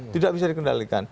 tidak bisa dikendalikan